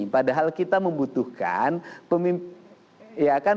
padahal kita membutuhkan